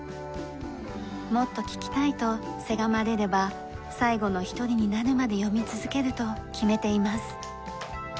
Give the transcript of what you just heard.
もっと聞きたいとせがまれれば最後の１人になるまで読み続けると決めています。